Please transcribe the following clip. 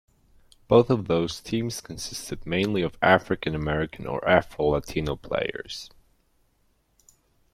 Both of those teams consisted mainly of African-American or Afro-Latino players.